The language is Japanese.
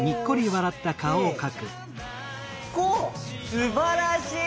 すばらしい！